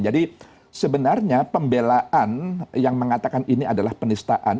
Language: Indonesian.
jadi sebenarnya pembelaan yang mengatakan ini adalah penistaan